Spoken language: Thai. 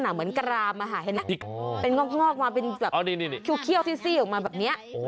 เหมือนกรามาหายเป็นงอกมาเป็นแบบคิวซี่ออกมาแบบเนี้ย